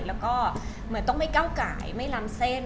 แล้วก็เหมือนต้องไม่ก้าวไก่ไม่ล้ำเส้น